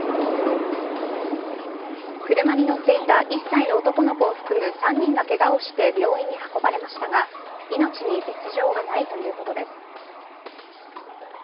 車に乗っていた１歳の男の子を含む３人がけがをして病院に運ばれましたが命に別条はないということです。